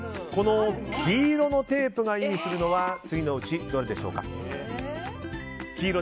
黄色のテープが意味するのは次のうちどれでしょうか。